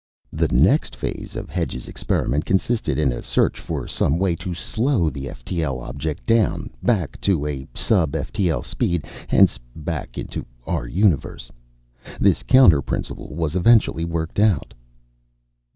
The next phase of Hedge's experiment consisted in a search for some way to slow the ftl object down, back to a sub ftl speed, hence back into our universe. This counterprinciple was eventually worked out."